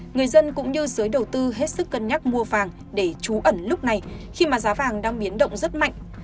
người dân cũng như giới đầu tư hết sức cân nhắc mua vàng để trú ẩn lúc này khi mà giá vàng đang biến động rất mạnh